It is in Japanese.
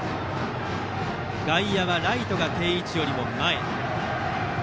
外野はライトが定位置よりも前。